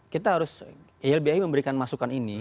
kita harus ilbi memberikan masukan ini